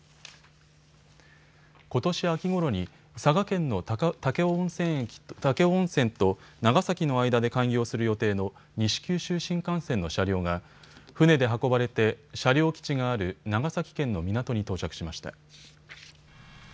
ことし秋ごろに佐賀県の武雄温泉と長崎の間で開業する予定の西九州新幹線の車両が船で運ばれて車両基地がある長崎県の港に到着しました。